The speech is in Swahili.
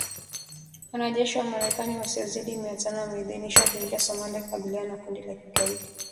Wanajeshi wa Marekani wasiozidi mia tano wameidhinishwa kuingia Somalia kukabiliana na kundi la kigaidi